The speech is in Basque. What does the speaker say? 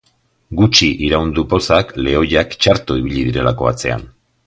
Gutxi iraun du pozak, lehoiak txarto ibili direlako atzean.